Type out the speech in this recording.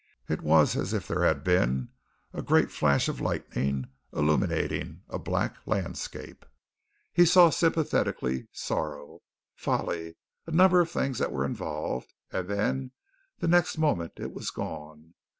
It was as if there had been a great flash of lightning illuminating a black landscape. He saw sympathetically, sorrow, folly, a number of things that were involved, and then the next moment, it was gone.